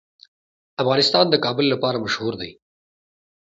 افغانستان د کابل لپاره مشهور دی.